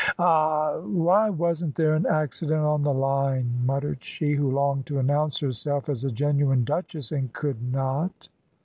"Augh! Why wasn't there an accident on the line?" muttered she, who longed to announce herself as a genuine duchess and could not.